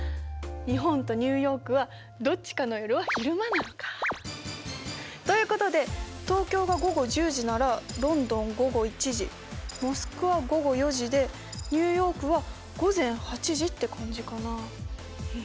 日本とニューヨークはどっちかの夜は昼間なのか。ということで東京が午後１０時ならロンドン午後１時モスクワ午後４時でニューヨークは午前８時って感じかな。